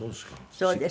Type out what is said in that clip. そうです。